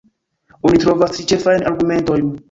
Oni trovas tri ĉefajn argumentojn.